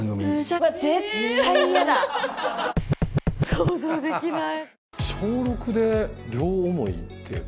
想像できない。